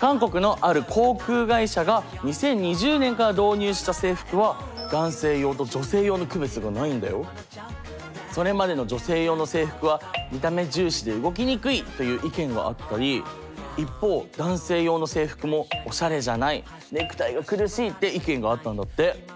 韓国のある航空会社が２０２０年から導入した制服はそれまでの女性用の制服は見た目重視で動きにくいという意見があったり一方男性用の制服もって意見があったんだって。